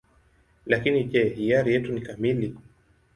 Lakini je, hiari yetu ni kamili?